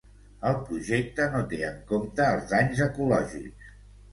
El projecte no té en compte els danys ecològics